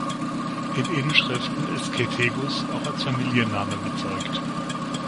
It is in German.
In Inschriften ist Cethegus auch als Familienname bezeugt.